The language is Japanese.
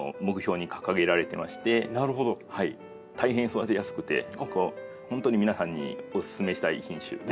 大変育てやすくて何か本当に皆さんにお勧めしたい品種です。